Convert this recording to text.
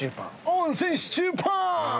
温泉シチューパン！